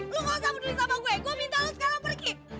lo nggak usah peduli sama gue gue minta lo sekarang pergi